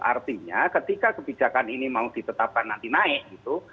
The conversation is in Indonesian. artinya ketika kebijakan ini mau ditetapkan nanti naik gitu